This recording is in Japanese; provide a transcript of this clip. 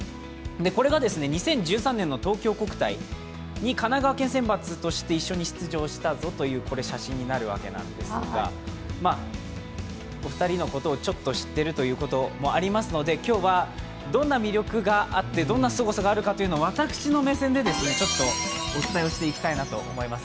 これが２０１３年の東京国体に神奈川県選抜として一緒に出場したぞという写真になるわけですが、お二人のことをちょっと知っているということもありますので今日は、どんな魅力があってどんなすごさがあるか私の目線でお伝えしてきたいなと思います。